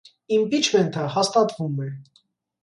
Իմպիչմենտը հաստատվում է։